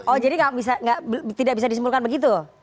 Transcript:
oh jadi tidak bisa disimpulkan begitu